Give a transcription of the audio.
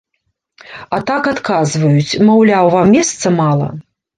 А так адказваюць, маўляў, вам месца мала?